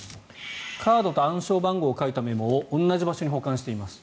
カードと暗証番号を書いたメモを同じ場所に保管しています。